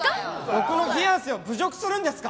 僕のフィアンセを侮辱するんですか？